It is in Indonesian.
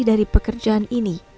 dari pekerjaan ini